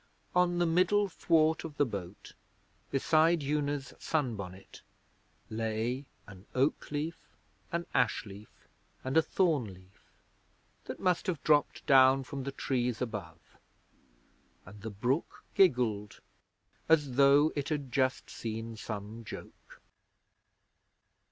On the middle thwart of the boat, beside Una's sun bonnet, lay an Oak leaf, an Ash leaf, and a Thorn leaf, that must have dropped down from the trees above; and the brook giggled as though it had just seen some joke.